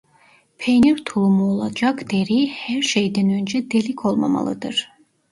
Peynir tulumu olacak deri her şeyden önce delik olmamalıdır.